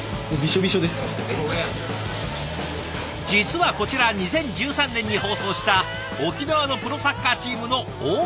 実はこちら２０１３年に放送した沖縄のプロサッカーチームの大盛りサラメシ。